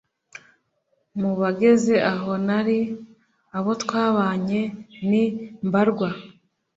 mu bageze aho nari, abo twabanye ni mbarwa